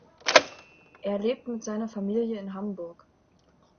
Er lebt mit seiner Familie in Hamburg.